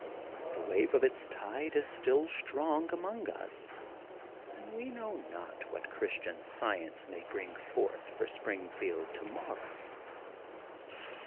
The wave of its tide is still strong among us, and we know not what Christian Science may bring forth for Springfield tomorrow.